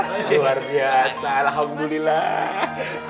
luar biasa alhamdulillah